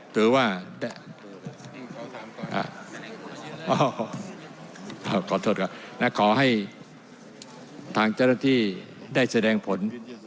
ถือว่าขอโทษก่อนนะขอให้ทางเจ้าหน้าที่ได้แสดงผล